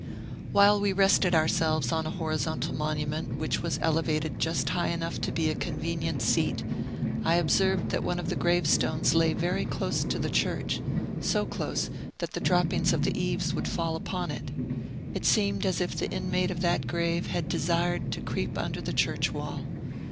While we rested ourselves on a horizontal monument, which was elevated just high enough to be a convenient seat, I observed that one of the gravestones lay very close to the church, so close that the droppings of the eaves would fall upon it. It seemed as if the inmate of that grave had desired to creep under the church wall.